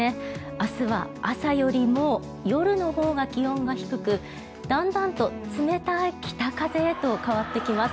明日は朝よりも夜のほうが気温が低くだんだんと冷たい北風へと変わっていきます。